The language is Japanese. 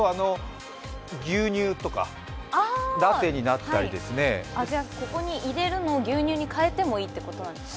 牛乳とかラテになったりここに入れるのを牛乳にかえてもいいってことですね。